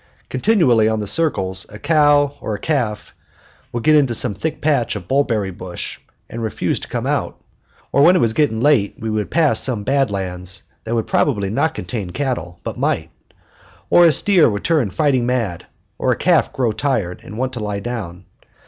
Continually on the circles a cow or a calf would get into some thick patch of bulberry bush and refuse to come out; or when it was getting late we would pass some bad lands that would probably not contain cattle, but might; or a steer would turn fighting mad, or a calf grow tired and want to lie down.